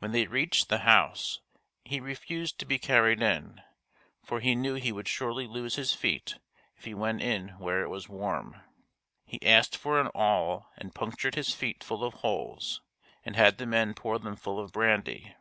When they reached the house he refused to be carried in, for he knew he would surely lose his feet if he went in where it was warm. He asked for an awl and punctured his feet full of holes and had the men pour them full of brandy.